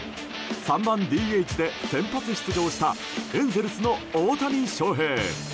３番ＤＨで先発出場したエンゼルスの大谷翔平。